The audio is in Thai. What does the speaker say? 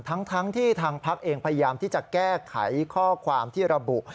ทั้งที่ทางพักเองพยายามที่จะแก้ไขข้อความที่ระบุ